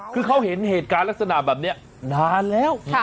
คือเขาเห็นเหตุการณ์ลักษณะแบบนี้นานแล้ว